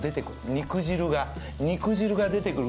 肉汁が肉汁が出てくる。